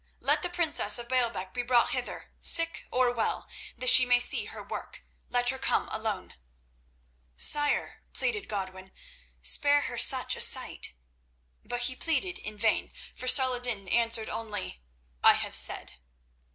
Let the princess of Baalbec be brought hither, sick or well, that she may see her work. Let her come alone." "Sire," pleaded Godwin, "spare her such a sight." But he pleaded in vain, for Saladin answered only, "I have said."